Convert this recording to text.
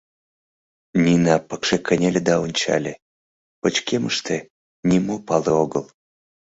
Нина пыкше кынеле да ончале — пычкемыште нимо пале огыл.